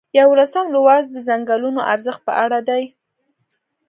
یوولسم لوست د څنګلونو ارزښت په اړه دی.